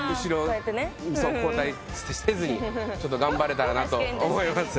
後退せずに頑張れたらなと思います。